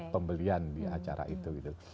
pembelian di acara itu gitu